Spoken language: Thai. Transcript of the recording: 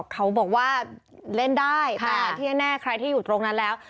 เขาบอกว่าเล่นได้แต่ที่แน่ใครที่อยู่ตรงนั้นแล้ว